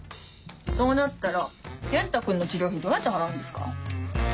そうなったら健太くんの治療費どうやって払うんですか？